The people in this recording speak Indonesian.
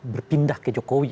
berpindah ke jokowi